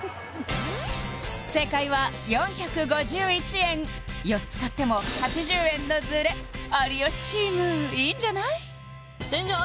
正解は４５１円４つ買っても８０円のズレ有吉チームいいんじゃない？